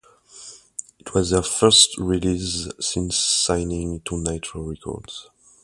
It was their first release since signing to Nitro Records.